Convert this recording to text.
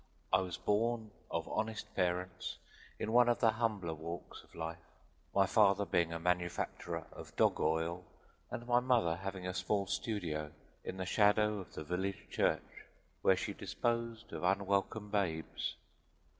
I was born of honest parents in one of the humbler walks of life, my father being a manufacturer of dog oil and my mother having a small studio in the shadow of the village church, where she disposed of unwelcome babes.